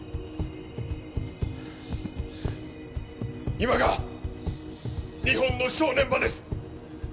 今が日本の正念場です！